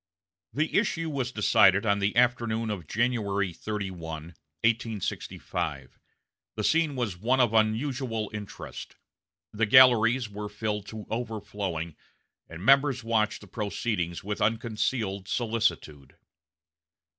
The issue was decided on the afternoon of January 31, 1865. The scene was one of unusual interest. The galleries were filled to overflowing, and members watched the proceedings with unconcealed solicitude.